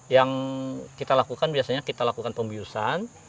yang kita lakukan biasanya kita lakukan pembiusan